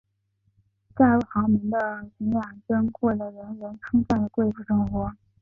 嫁入豪门的禹雅珍过着人人称羡的贵妇生活。